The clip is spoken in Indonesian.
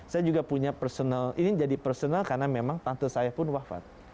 saya juga punya personal ini jadi personal karena memang tante saya pun wafat